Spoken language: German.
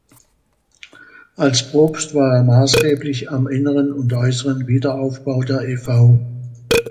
Als Propst war er maßgeblich am inneren und äußeren Wiederaufbau der Ev.